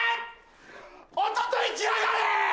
おととい来やがれ！